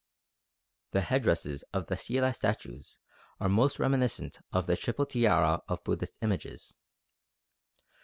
The headdresses of the stelae statues are most reminiscent of the triple tiara of Buddhist images.